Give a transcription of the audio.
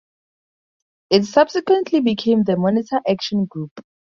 It subsequently became the Monitor Action Group.